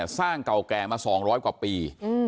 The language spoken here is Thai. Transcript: สร้างเก่าแก่มา๒๐๐กว่าปี